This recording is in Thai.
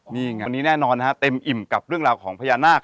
วันนี้แน่นอนเต็มอิ่มกับเรื่องราวของพญานาค